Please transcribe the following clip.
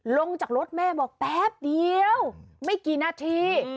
ลงจากรถแม่บอกแป๊บเดียวไม่กี่นาที